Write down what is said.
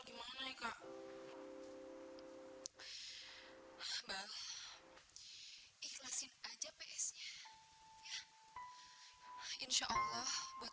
nun kau pada tidur di sini semua